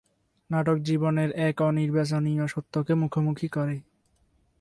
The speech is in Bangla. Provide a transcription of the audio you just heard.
নাটক জীবনের এক অনির্বাচনীয় সত্যকে মুখোমুখি করে।